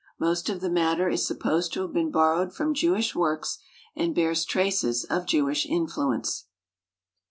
Most of the matter is supposed to have been borrowed from Jewish works, and bears traces of Jewish influence.